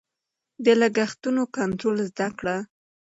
د لګښتونو کنټرول زده کړه.